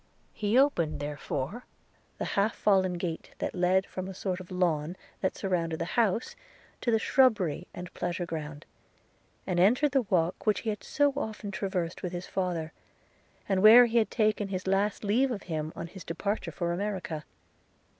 He opened, therefore, the half fallen gate, that led from a sort of lawn, that surrounded the house, to the shrubbery and pleasure ground, and entered the walk which he had so often traversed with his father, and where he had taken his last leave of him on his departure for America.